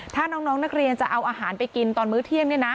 ถ้าน้องนักเรียนจะเอาอาหารไปกินตอนมื้อเที่ยง